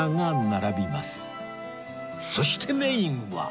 そしてメインは